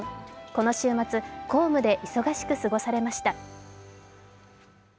この週末、公務で忙しく過ごされました。